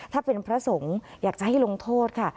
ถ้าเป็นพระสงฆ์อยากจะให้ลงโทษค่ะ